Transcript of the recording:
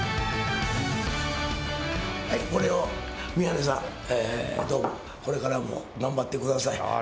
はい、これを宮根さん、どうぞこれからも頑張ってください。